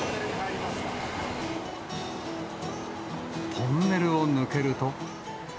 トンネルを抜けると。